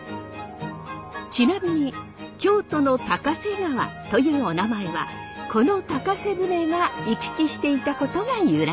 ちなみに京都の高瀬川というおなまえはこの高瀬舟が行き来していたことが由来。